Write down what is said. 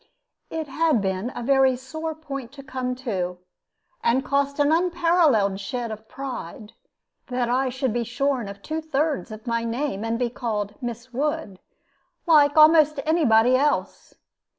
It had been a very sore point to come to, and cost an unparalleled shed of pride, that I should be shorn of two thirds of my name, and called "Miss Wood," like almost anybody else.